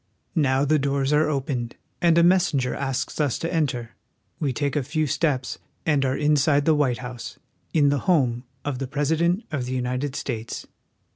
Now the doors are opened, and a messenger asks us to enter. We take a few steps and are inside ^he White House, in the home of the President of the United States.